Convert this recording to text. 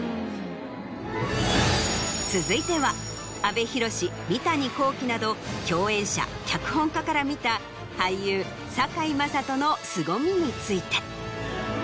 続いては阿部寛三谷幸喜など共演者脚本家から見た俳優堺雅人のすごみについて。